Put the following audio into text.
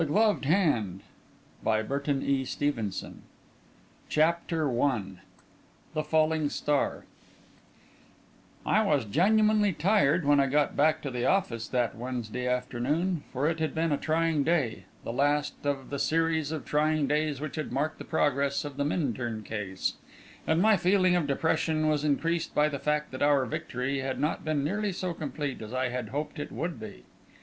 "I KNEW THAT I WAS LOST" CHAPTER I THE FALLING STAR I was genuinely tired when I got back to the office, that Wednesday afternoon, for it had been a trying day the last of the series of trying days which had marked the progress of the Minturn case; and my feeling of depression was increased by the fact that our victory had not been nearly so complete as I had hoped it would be.